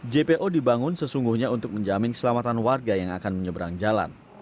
jpo dibangun sesungguhnya untuk menjamin keselamatan warga yang akan menyeberang jalan